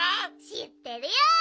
しってるよ。